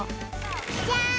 じゃん！